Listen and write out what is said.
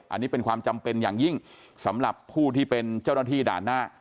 อันนี้เป็นความจำเป็นอย่างยิ่งสำหรับผู้ที่เป็นเจ้าหน้าที่ด่านหน้า